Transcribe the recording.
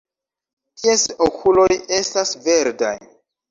Ties okuloj estas verdaj.